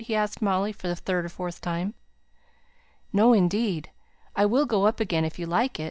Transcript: he asked Molly, for the third or fourth time. "No, indeed. I will go up again if you like it.